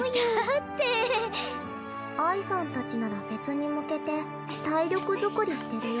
愛さんたちならフェスに向けて体力づくりしてるよ。